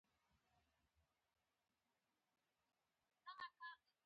پۀ يونيورسټۍ کښې مختلف غېر نصابي سرګرميانې کيږي